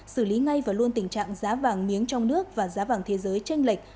xử lý ngay và luôn tình trạng giá vàng miếng trong nước và giá vàng thế giới tranh lệch